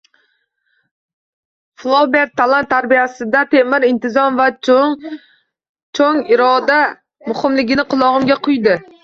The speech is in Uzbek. Flober talant tarbiyasida temir intizom va cho‘ng iroda muhimligini qulog‘imga quydi